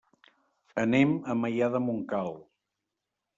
Anem a Maià de Montcal.